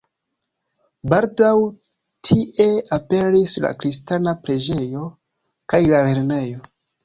Baldaŭ tie aperis la kristana preĝejo kaj la lernejo.